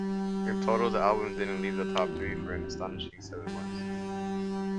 In total, the album didn't leave the top three for an astonishing seven months.